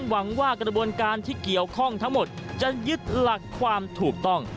หวังว่ากระบวนการที่เกี่ยวข้องทั้งหมดจะยึดหลักความถูกต้อง